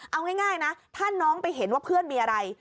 เอาง่ายนะถ้าน้องไปเห็นว่าเพื่อนมีอะไร